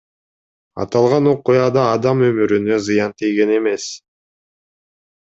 Аталган окуяда адам өмүрүнө зыян тийген эмес.